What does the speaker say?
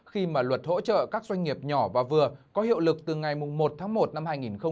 khi mà luật hỗ trợ các doanh nghiệp nhỏ và vừa có hiệu lực từ ngày một tháng một năm hai nghìn hai mươi